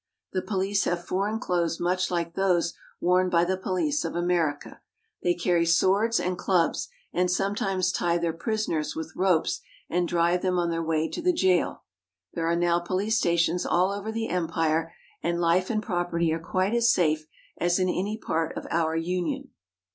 The police have foreign clothes much like those worn by the police of America. They carry swords and clubs, and sometimes tie their prisoners with ropes and drive them on their way to the jail. There are now police stations all over the empire, and Hfe and property are quite as safe as in any part of our Union.